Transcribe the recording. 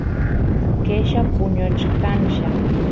qella puñuchkanlla